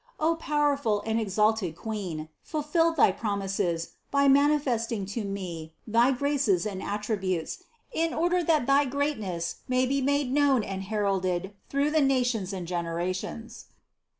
O powerful and exalted Queen, fulfill thy promises by manifesting to me thy graces and attributes, in order that thy greatness may be made known and heralded through the nations and generations.